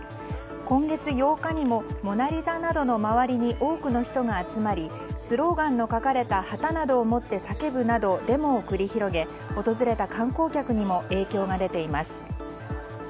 今月８日にも「モナ・リザ」などの周りに多くの人が集まりスローガンの書かれた旗などを持って叫ぶなどデモを繰り広げ訪れた観光客にも影響が出ています。